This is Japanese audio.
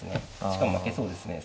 しかも負けそうですね